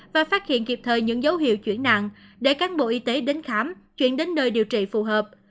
và phát hiện kịp thời những dấu hiệu chuyển nặng để cán bộ y tế đến khám chuyển đến nơi điều trị phù hợp